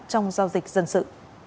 trong giao dịch dân sự